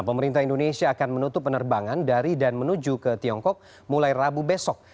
pemerintah indonesia akan menutup penerbangan dari dan menuju ke tiongkok mulai rabu besok